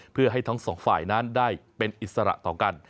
เพื่อให้ทั้งสองฝ่ายนั้นได้เป็นอิสระต่อกัน